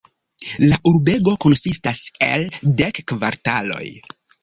La urbego konsistas el dek kvartaloj.